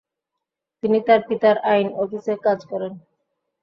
তিনি তার পিতার আইন অফিসে কাজ করেন।